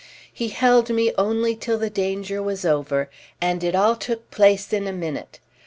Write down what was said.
He held me only till the danger was over, and it all took place in a minute.